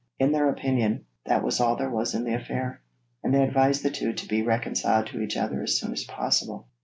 In their opinion, that was all there was in the affair, and they advised the two to be reconciled to each other as soon as possible.